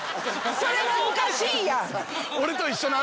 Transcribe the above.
それもおかしいやん。